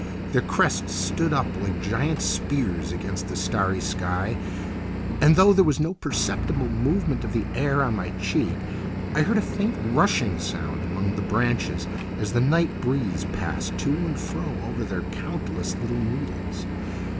Their crests stood up like giant spears against the starry sky; and though there was no perceptible movement of the air on my cheek I heard a faint, rushing sound among their branches as the night breeze passed to and fro over their countless little needles.